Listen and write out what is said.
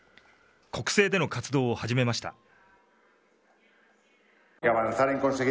国政での活動を始めました。